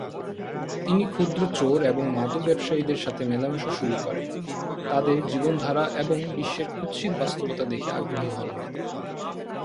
তিনি ক্ষুদ্র চোর এবং মাদক ব্যবসায়ীদের সাথে মেলামেশা শুরু করেন, তাদের জীবনধারা এবং বিশ্বের কুৎসিত বাস্তবতা দেখে আগ্রহী হন।